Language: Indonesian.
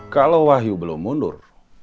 kalau wahyu belum mundur